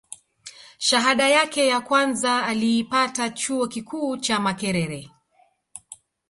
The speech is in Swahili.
shahada yake ya kwanza aliipata chuo kikuu cha makerere